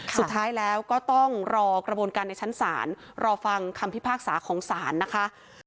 สุดท้ายแล้วก็ต้องรอกระบวนการในชั้นศาลรอฟังคำพิพากษาของศาลนะคะ